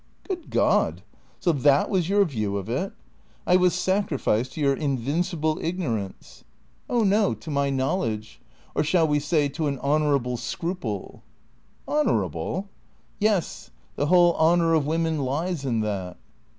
"Good God! So that was your view of it? I was sacrificed to your invincible ignorance." THECREATOES 475 " Oh no, to my knowledge. Or shall we say to an honour able scruple ?"" Honourable ?"" Yes. The whole honour of women lies in that."